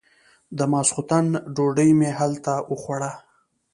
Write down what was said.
د ماسختن ډوډۍ مې هلته وخوړه.